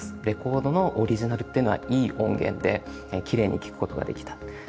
レコードのオリジナルっていうのはいい音源できれいに聴くことができた。